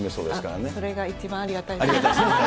それが一番ありがたいですね。